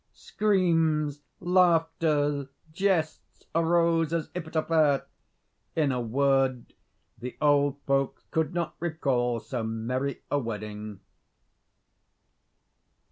Screams, laughter, jests, arose as if at a fair. In a word, the old folks could not recall so merry a wedding.